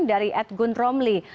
dari adgun romli